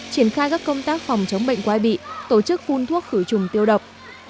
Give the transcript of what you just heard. triển khai các công tác phòng chống bệnh quay bị tổ chức phun thuốc khử trùng tiêu độc